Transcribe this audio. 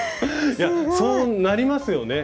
いやそうなりますよね。